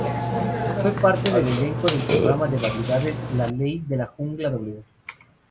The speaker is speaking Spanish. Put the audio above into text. Fue parte del elenco del programa de variedades "Ley de la jungla W".